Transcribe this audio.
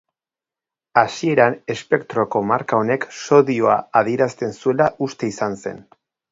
Hasieran espektroko marka honek sodioa adierazten zuela uste izan zen.